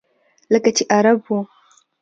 لکه چې عرب و.